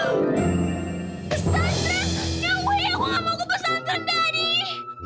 ya wih aku gak mau ke pesantren daddy